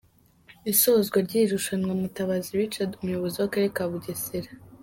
isozwa ry’iri rushanwa, Mutabazi Richard umuyobozi w’akarere ka Bugesera